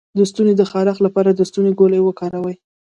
د ستوني د خارش لپاره د ستوني ګولۍ وکاروئ